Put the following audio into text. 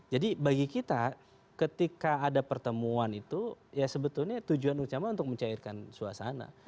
bagi kita ketika ada pertemuan itu ya sebetulnya tujuan utama untuk mencairkan suasana